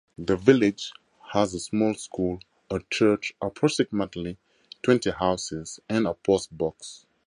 The village has a small school, a church, approximately twenty houses, and a postbox.